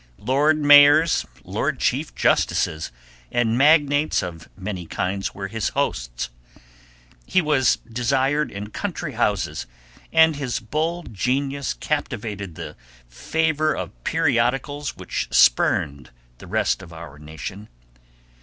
Lord mayors, lord chief justices, and magnates of many kinds were his hosts; he was desired in country houses, and his bold genius captivated the favor of periodicals which spurned the rest of our nation.